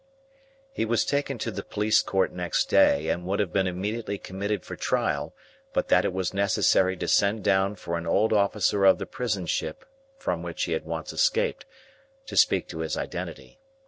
He was taken to the Police Court next day, and would have been immediately committed for trial, but that it was necessary to send down for an old officer of the prison ship from which he had once escaped, to speak to his identity.